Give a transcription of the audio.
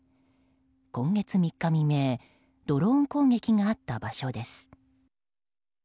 今月３日未明ドローン攻撃があった場所です。